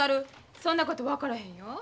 そんなこと分からへんよ。